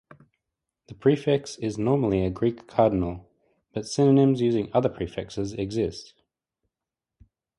The prefix is normally a Greek cardinal, but synonyms using other prefixes exist.